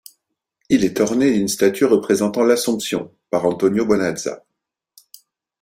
Il est ornée d'une statue représentant l'assomption par Antonio Bonazza.